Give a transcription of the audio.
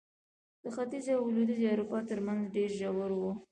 د ختیځې او لوېدیځې اروپا ترمنځ ډېر ژور و.